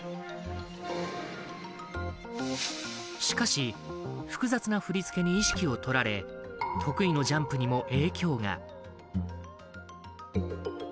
しかし、複雑な振り付けに意識を取られ得意のジャンプにも影響が。